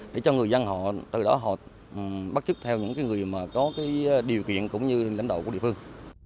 để cho người dân họ từ đó họ bắt chức theo những người mà có điều kiện cũng như lãnh đạo của địa phương